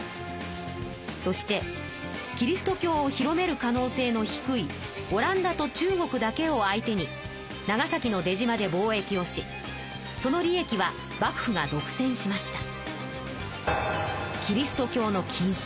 そしてキリスト教を広める可能性の低いオランダと中国だけを相手に長崎の出島で貿易をしその利益は幕府が独占しました。